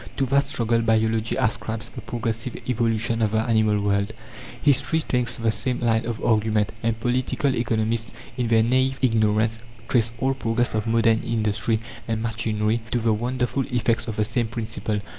To that struggle Biology ascribes the progressive evolution of the animal world. History takes the same line of argument; and political economists, in their naive ignorance, trace all progress of modern industry and machinery to the "wonderful" effects of the same principle.